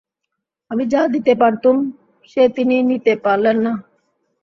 আমি যা দিতে পারতুম সে তিনি নিতে পারলেন না।